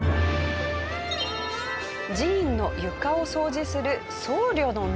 寺院の床を掃除する僧侶の皆さんです。